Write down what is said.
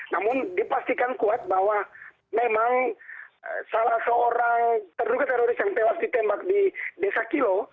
namun dipastikan kuat bahwa memang salah seorang terduga teroris yang tewas ditembak di desa kilo